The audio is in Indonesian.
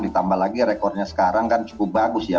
ditambah lagi rekornya sekarang kan cukup bagus ya